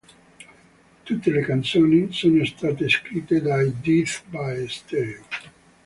Tutte le canzoni sono state scritte dai Death By Stereo.